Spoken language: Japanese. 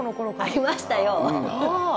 ありましたよ。